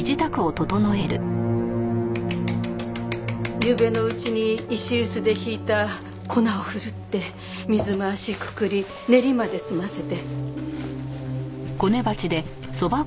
ゆうべのうちに石臼で挽いた粉をふるって水回しくくり練りまで済ませて。